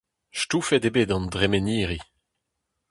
Stoufet eo bet an dremeniri.